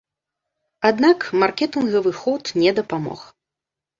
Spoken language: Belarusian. Аднак маркетынгавы ход не дапамог.